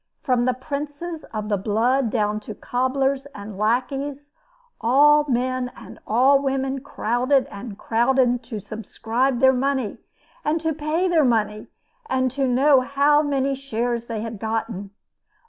From the princes of the blood down to cobblers and lackeys, all men and all women crowded and crowded to subscribe their money, and to pay their money, and to know how many shares they had gotten.